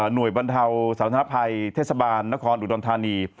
หน่วยบรรเทาสรรพัยเทศบาลนครอุดรณฑานี